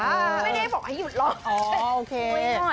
ไม่ได้บอกให้หยุดหรอก